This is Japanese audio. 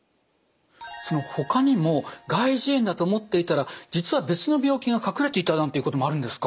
ほかにも外耳炎だと思っていたら実は別の病気が隠れていたなんていうこともあるんですか？